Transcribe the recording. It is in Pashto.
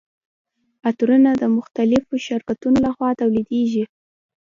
عطرونه د مختلفو شرکتونو لخوا تولیدیږي.